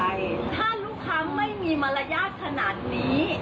ถ้าลูกค้าไม่มีมารยาทขนาดนี้